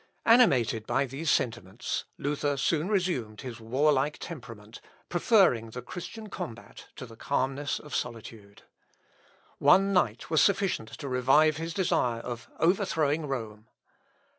Animated by these sentiments, Luther soon resumed his warlike temperament, preferring the Christian combat to the calmness of solitude. One night was sufficient to revive his desire of overthrowing Rome.